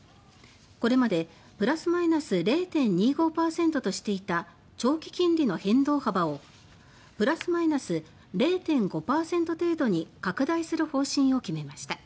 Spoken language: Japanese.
これまでプラスマイナス０．２５％としていた長期金利の変動幅をプラスマイナス０．５％程度に拡大する方針を決めました。